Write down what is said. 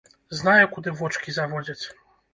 Знаю, куды вочкі заводзяць.